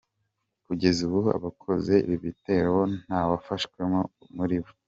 Kugeza ubu abakoze ibi bitero bo nta wafashwemo muri bo.